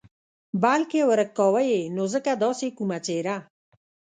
بلکې ورک کاوه یې نو ځکه داسې کومه څېره.